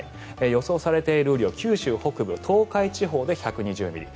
予想されている雨量九州北部、東海地方で１２０ミリ